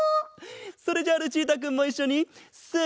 それじゃあルチータくんもいっしょにせの。